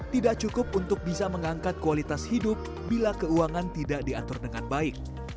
tidak cukup untuk bisa mengangkat kualitas hidup bila keuangan tidak diatur dengan baik